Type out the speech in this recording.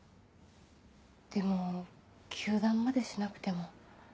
でも休団までしなくても。